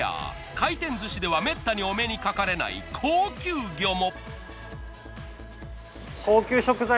回転寿司ではめったにお目にかかれない高級魚も。